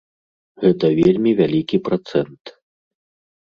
Гэта вельмі вялікі працэнт.